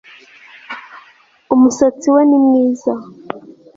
umusatsi we ni mwiza